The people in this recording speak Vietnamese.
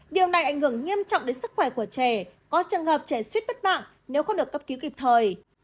điều này ảnh hưởng nghiêm trọng đến sức khỏe của trẻ có trường hợp trẻ suyết bất mạng nếu không được cấp cứu kịp thời